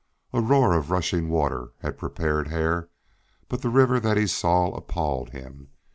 A roar of rushing waters had prepared Hare, but the river that he saw appalled him.